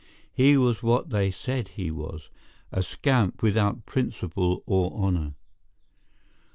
He was what they said he was, a scamp without principle or honour.